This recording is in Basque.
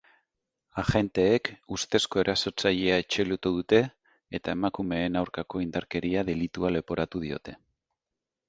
Agenteek ustezko erasotzailea atxilotu dute eta emakumeen aurkako indarkeria delitua leporatu diote.